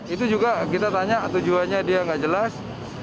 itu juga kita tanya tujuannya dia nggak jelas